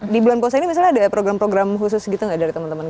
di bulan puasa ini misalnya ada program program khusus gitu nggak dari teman teman